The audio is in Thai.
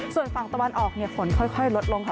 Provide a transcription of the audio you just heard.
ส่วนฝั่งตะวันออกเนี่ยฝนค่อยลดลงค่ะ